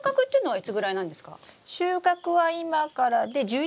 はい！